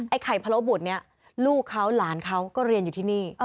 ไข่พะโลบุตรเนี่ยลูกเขาหลานเขาก็เรียนอยู่ที่นี่